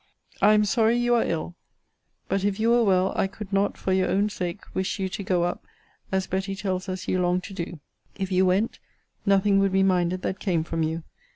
I am sorry you are ill. But if you were well, I could not, for your own sake, wish you to go up, as Betty tells us you long to do. If you went, nothing would be minded that came from you.